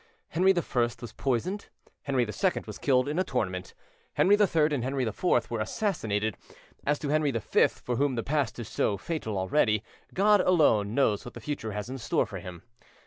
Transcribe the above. Henry I was poisoned, Henry II was killed in a tournament, Henry III and Henry IV were assassinated. As to Henry V, for whom the past is so fatal already, God alone knows what the future has in store for him.